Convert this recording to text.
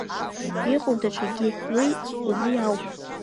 Иҟоуп даҽакгьы, уи убри ауп…